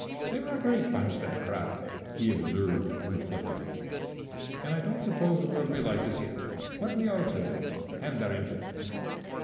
"They were a great bunch, that crowd," he observed reflectively, "and I don't suppose the world realizes yet what we owe to them and their influence.